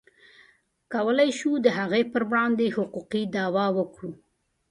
کولی شو د هغې پر وړاندې حقوقي دعوه وکړو.